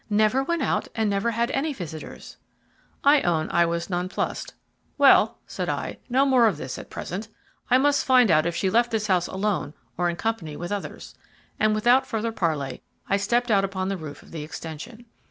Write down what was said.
"Never went out and never had any visitors." I own I was nonplussed, "Well," said I, "no more of this at present. I must first find out if she left this house alone or in company with others." And without further parley I stepped out upon the roof of the extension.